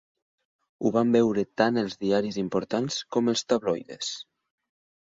Ho van veure tant els diaris importants com els tabloides.